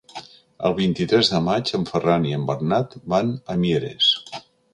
El vint-i-tres de maig en Ferran i en Bernat van a Mieres.